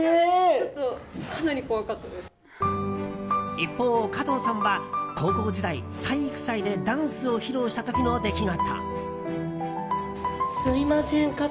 一方、加藤さんは高校時代、体育祭でダンスを披露した時の出来事。